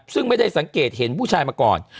ซึ่งไม่ได้สังเกตเห็นผู้ชายมาก่อน